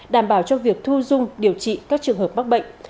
đảm bảo cho việc thu dung điều trị các trường hợp bắc bệnh